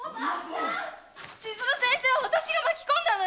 千鶴先生は私が巻き込んだの！